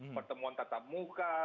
pertemuan tatap muka